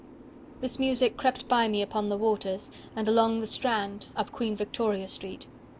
"This music crept by me upon the waters" And along the Strand, up Queen Victoria Street.